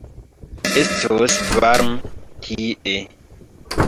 Estos varme tie.